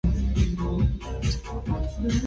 Tháng năm vất vả